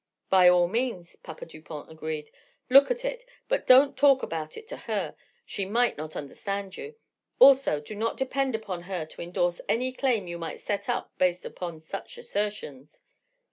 "By all means," Papa Dupont agreed, "look at it, but don't talk about it to her. She might not understand you. Also, do not depend upon her to endorse any claim you might set up based upon such assertions."